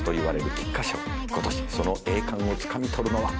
今年その栄冠をつかみ取るのは。